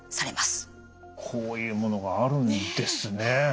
こういうものがあるんですね。